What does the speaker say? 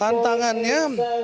kalau untuk challenge tantangannya